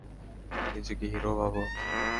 নিজেকে হিরো ভাবে।